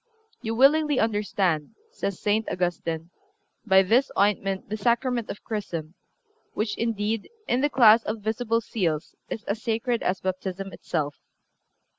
(363) "You willingly understand," says St. Augustine, "by this ointment the Sacrament of Chrism, which, indeed, in the class of visible seals is as sacred as Baptism itself."